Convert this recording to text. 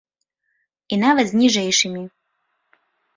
І нават з ніжэйшымі.